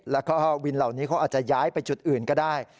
แล้วก็วินเหล่านี้เขาอาจจะย้ายไปจุดอื่นก็ได้